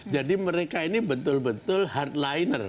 jadi mereka ini betul betul hardliner